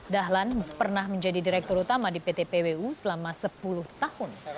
dahlan pernah menjadi direktur utama di pt pwu selama sepuluh tahun